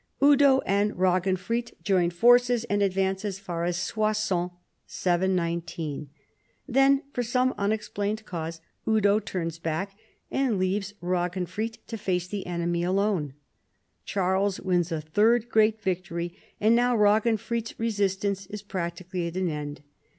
Eudo and Raginfrid join forces and advance as far as Soissons (719) : then for some unexplained cause Eudo turns back and leaves Ra ginfrid to face the enemy alone. Charles wins a third great victorv, and now Raginfrid's resistance is practically at an end.